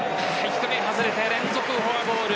低め外れて連続フォアボール。